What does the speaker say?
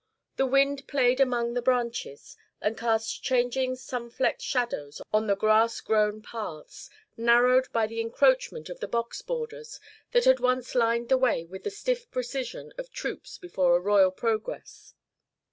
The wind played among the branches, and cast changing sun flecked shadows on the grass grown paths, narrowed by the encroachment of the box borders that had once lined the way with the stiff precision of troops before a royal progress.